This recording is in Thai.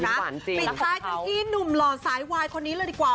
ปิดท้ายกันที่หนุ่มหล่อสายวายคนนี้เลยดีกว่า